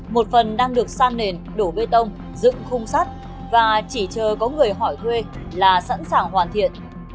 một phần đang được san nền đổ bê tông dựng khung sắt và chỉ chờ có người hỏi thuê là sẵn sàng hoàn thiện